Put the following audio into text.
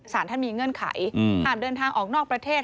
สารท่านมีเงื่อนไขห้ามเดินทางออกนอกประเทศ